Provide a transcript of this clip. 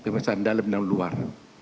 misalnya dalam dan luar